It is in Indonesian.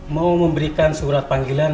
mau memberikan surat panggilan